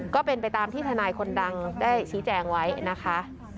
ก็เป็นไปตามที่ทนายคนดังได้ชี้แจงไว้นะคะ